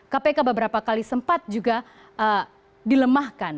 kpk beberapa kali sempat juga dilemahkan